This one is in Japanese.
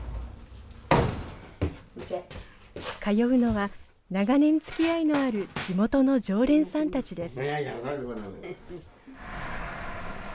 通うのは長年つきあいのある地元の常連さんたちです。